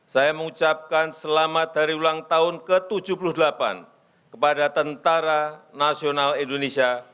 saya mengucapkan selamat dari ulang tahun ke tujuh puluh delapan kepada tentara nasional indonesia